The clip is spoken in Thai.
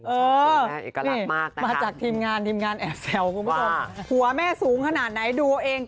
เออนี่มาจากทีมงานทีมงานแอบแซวคุณผู้ชมหัวแม่สูงขนาดไหนดูเอาเอง